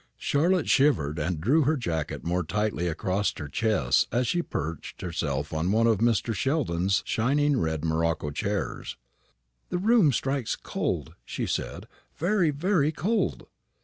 Charlotte shivered, and drew her jacket more tightly across her chest as she perched herself on one of Mr. Sheldon's shining red morocco chairs. "The room strikes cold," she said; "very, very cold."